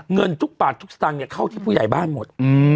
เงินทุกบาททุกสตางค์เข้าที่ผู้ใหญ่บ้านหมด